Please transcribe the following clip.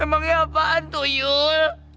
emangnya apaan tuh yul